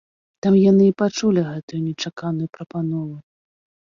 Там яны і пачулі гэтую нечаканую прапанову.